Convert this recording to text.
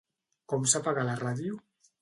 ¿Com s'apaga la ràdio?